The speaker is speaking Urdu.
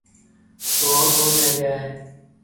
تو اور کون رہ گیا ہے؟